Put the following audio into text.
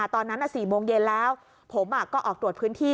ตอนนั้น๔โมงเย็นแล้วผมก็ออกตรวจพื้นที่